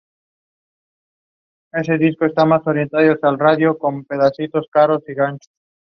Allí contempla cómo un hombre enfermo es enviado a los sectores inferiores.